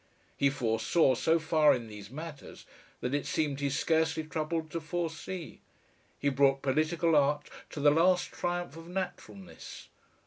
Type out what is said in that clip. He foresaw so far in these matters that it seemed he scarcely troubled to foresee. He brought political art to the last triumph of naturalness.